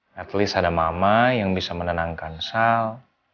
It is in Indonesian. setidaknya ada mama yang bisa menenangkan sal